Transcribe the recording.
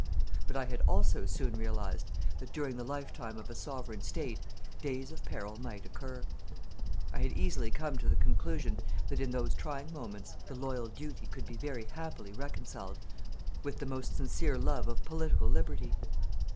But I had also soon realized that during the lifetime of a Sovereign State, days of peril might occur. I had easily come to the conclusion that in those trying moments the loyal duty could be very happily reconciled with the most sincere love of political liberty.